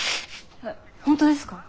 本当ですか？